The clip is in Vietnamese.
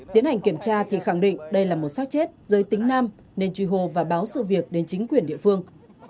tiến hành kiểm tra thì khẳng định đây là một sát chết giới tính nam nên truy hô và báo sự việc đến chính quyền địa phương